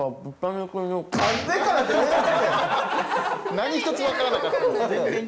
何一つわからなかったですね。